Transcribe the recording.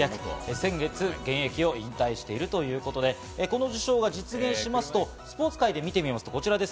先月現役を引退しているということで、この受賞が実現しますと、スポーツ界で見てみますと、こちらです。